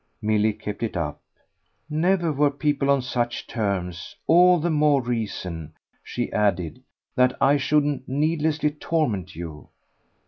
Milly kept it up. "Never were people on such terms! All the more reason," she added, "that I shouldn't needlessly torment you."